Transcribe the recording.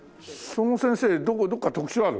その先生どこか特徴ある？